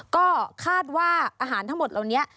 ก็คาดว่าอาหารทั้งหมดเหล่านี้